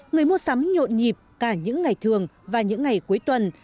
người mua sắm nhộn nhịp cả những ngày thường và những ngày cuối tuần